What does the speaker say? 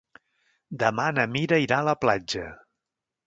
Demà na Mira irà a la platja.